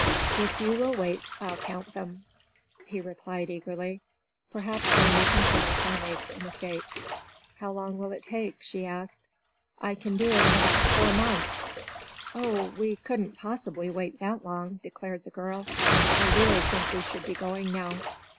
"If you will wait I'll count them," he replied, eagerly. "Perhaps then you can tell if I make a mistake." "How long will it take?" she asked. "I can do it in about four months." "Oh, we couldn't possibly wait that long," declared the girl. "I really think we should be going now."